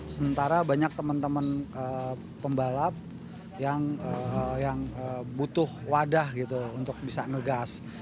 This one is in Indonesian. sementara banyak teman teman pembalap yang butuh wadah gitu untuk bisa ngegas